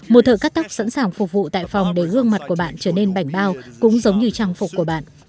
một thợ cắt tóc sẵn sàng phục vụ tại phòng để gương mặt của bạn trở nên bảnh bao cũng giống như trang phục của bạn